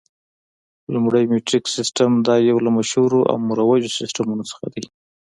لومړی میټریک سیسټم، دا یو له مشهورو او مروجو سیسټمونو څخه دی.